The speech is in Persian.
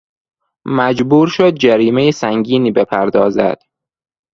مجبور شد جریمهی سنگینی بپردازد.